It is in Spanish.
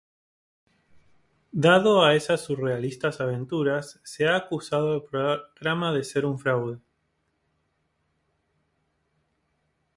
Dado a esas surrealistas aventuras, se ha acusado al programa de ser un fraude.